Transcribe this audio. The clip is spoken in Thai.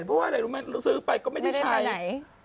เพราะว่าอะไรรู้ไหมเราซื้อไปก็ไม่ได้ใช้